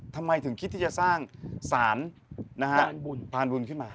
ทำไมถึงคิดที่จะสร้างสารนะฮะพานบุญขึ้นมา